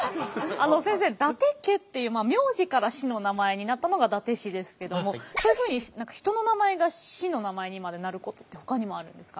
先生伊達家っていう名字から市のお名前になったのが伊達市ですけどもそういうふうに人の名前が市の名前にまでなることってほかにもあるんですか？